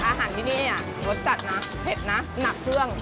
อาหารที่นี่รสจัดนะเผ็ดนะหนักเครื่อง